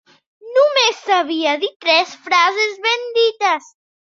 Només sabia dir tres frases ben dites.